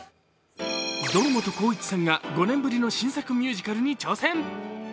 堂本光一さんが５年ぶりの新作ミュージカルに挑戦。